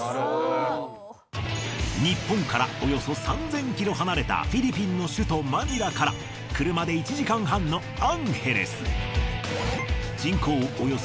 日本からおよそ３０００ｋｍ離れたフィリピンの首都マニラから車で１時間半のアンヘレス。